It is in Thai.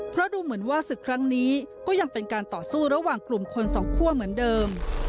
เพราะดูเหมือนว่าศึกครั้งนี้ก็ยังเป็นการต่อสู้ระหว่างกลุ่มคนสองคั่วเหมือนเดิม